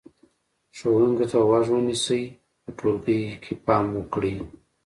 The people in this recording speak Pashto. ښوونکي ته غوږ ونیسئ، په ټولګي کې پام وکړئ،